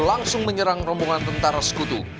langsung menyerang rombongan tentara sekutu